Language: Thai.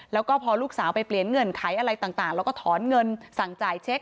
แล้วก็พอลูกสาวไปเปลี่ยนเงื่อนไขอะไรต่างแล้วก็ถอนเงินสั่งจ่ายเช็ค